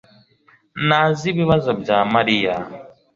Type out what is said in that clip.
ntazi ibibazo bya Mariya